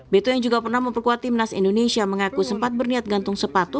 beto yang juga pernah memperkuat timnas indonesia mengaku sempat berniat gantung sepatu